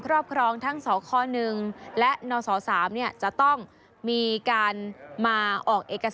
ครอบครองทั้งสขหนึ่งและหนสำเนี้ยจะต้องมีการมาออก